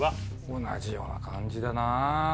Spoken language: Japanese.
同じような感じだなあ